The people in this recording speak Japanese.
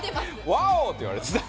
ワオって言われてた。